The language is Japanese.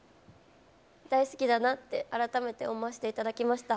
大好きだなって、改めて思わせていただきました。